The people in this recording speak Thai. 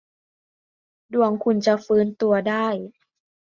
ดวงคุณจะฟื้นตัวได้